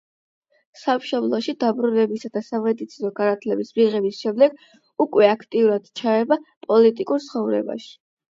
სამშობლოში დაბრუნებისა და სამედიცინო განათლების მიღების შემდეგ უკვე აქტიურად ჩაება პოლიტიკურ ცხოვრებაში.